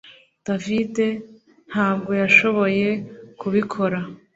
David ntabwo yashoboye kubikora